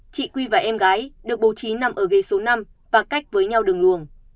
chị quy và em gái được bố trí nằm ở ghế số năm và cách với nhau đường luồng